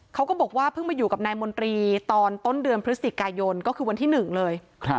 เขาก็บอกว่าเพิ่งมาอยู่กับนายมนตรีตอนต้นเดือนพฤศจิกายนก็คือวันที่๑เลย